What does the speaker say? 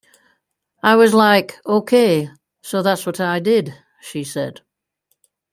"I was like okay, so that's what I did," she said.